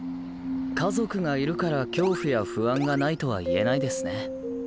家族がいるから恐怖や不安がないとはいえないですね。